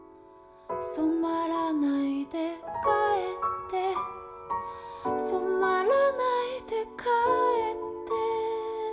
「染まらないで帰って染まらないで帰って」